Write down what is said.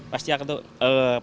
pasti akan baru datang ke sini